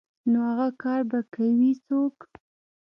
نو اغه کار به کوي څوک.